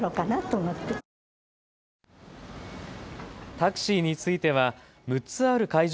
タクシーについては６つある会場